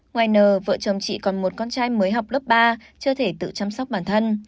ngoài nờ vợ chồng chị còn một con trai mới học lớp ba chưa thể tự chăm sóc bản thân